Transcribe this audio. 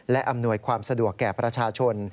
และอำนวยความสะดวกแก่ประชาชน